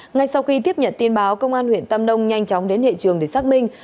ngay sau khi tiếp nhận tin báo công an huyện tam nông nhanh chóng đến hệ trường để xác minh